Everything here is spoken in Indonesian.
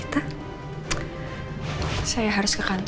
itu hal j lat